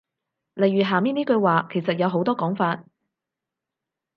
例如下面呢句話其實有好多講法